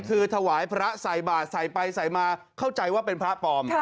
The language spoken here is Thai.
คือถวายพระใส่บาทใส่ไปใส่มาเข้าใจว่าเป็นพระปลอม